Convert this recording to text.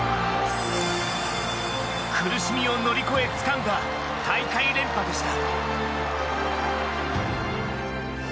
苦しみを乗り越えつかんだ大会連覇でした。